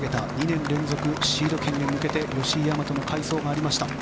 ２年連続シード権へ向けて吉居大和の快走がありました。